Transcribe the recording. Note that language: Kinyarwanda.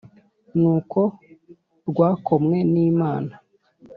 nuko rwakomwe n`imana